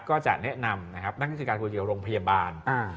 ก็จะแนะนำนั่นก็คือการคุณเกี่ยวกับโรงพยาบาล